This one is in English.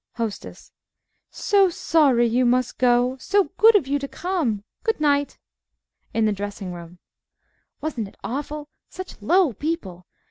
HOSTESS So sorry you must go. So good of you to come. Good night. IN THE DRESSING ROOM CHORUS OF GUESTS Wasn't it awful? Such low people!